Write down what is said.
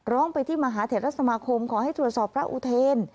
ร้องไปที่มหาเทศสมาคมขอให้ตรวจสอบพระอุเทน